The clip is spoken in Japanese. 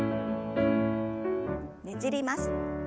ねじります。